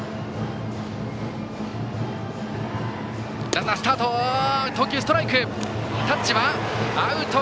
ランナー、スタート。